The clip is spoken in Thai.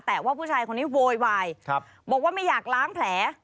แต่ว่าผู้ชายคนนี้โวยวายบอกว่าไม่อยากล้างแผล